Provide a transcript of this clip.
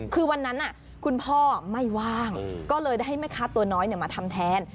คือวันนั้นคุณพ่อไม่ว่างก็เลยได้ให้แม่ค้าตัวน้อยมาทำแทน